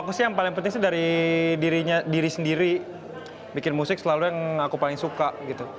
aku sih yang paling penting sih dari diri sendiri bikin musik selalu yang aku paling suka gitu